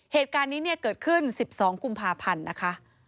เหตุการณ์นี้เนี่ยเกิดขึ้น๑๒กุมภาพันธ์นะคะ